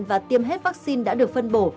và tiêm hết vaccine đã được phân bổ